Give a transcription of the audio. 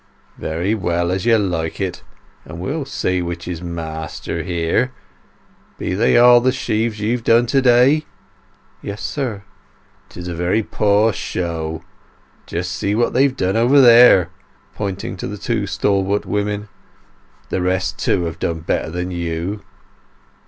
"Very well—as you like. But we'll see which is master here. Be they all the sheaves you've done to day?" "Yes, sir." "'Tis a very poor show. Just see what they've done over there" (pointing to the two stalwart women). "The rest, too, have done better than you."